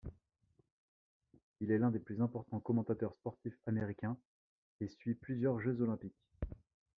Il est l'un des plus importants commentateurs sportifs américain et suit plusieurs Jeux olympiques.